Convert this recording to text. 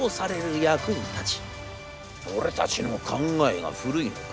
『俺たちの考えが古いのか？』。